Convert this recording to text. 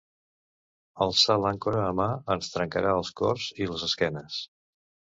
Alçar l'àncora a mà ens trencarà els cors i les esquenes.